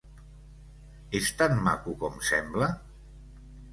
És tan maco com sembla?